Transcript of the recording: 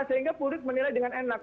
sehingga publik menilai dengan enak